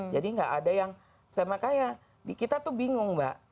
jadi nggak ada yang saya makanya kita itu bingung mbak